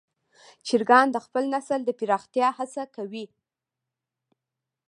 چرګان د خپل نسل د پراختیا هڅه کوي.